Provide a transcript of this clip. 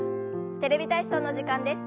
「テレビ体操」の時間です。